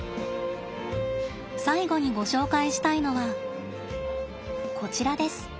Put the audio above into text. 最後にご紹介したいのはこちらです。